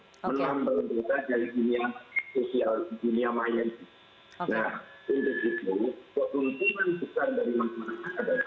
ketunjukan besar dari masyarakat adalah